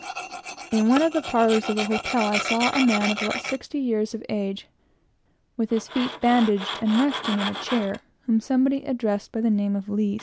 In one of the parlors of the hotel, I saw a man of about sixty years of age, with his feet bandaged and resting in a chair, whom somebody addressed by the name of Lies.